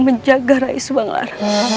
menjaga rais banglar